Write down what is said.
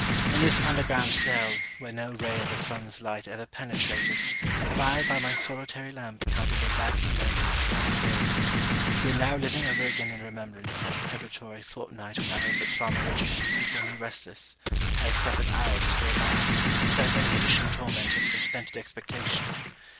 In this under ground cell, where no ray of the sun's light ever penetrated, have I by my solitary lamp counted the lagging moments throughout a day. Yet now living over again in remembrance that preparatory fortnight when I was at farmer Richardson's was only restless, I have suffered hours to go by, without any additional torment of suspended expectation.